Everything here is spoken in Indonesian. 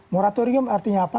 moratorium artinya apa